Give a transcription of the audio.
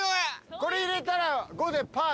これ入れたら５でパーです。